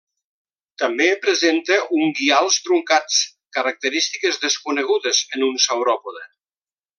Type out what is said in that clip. També presenta unguials truncats, característiques desconegudes en un sauròpode.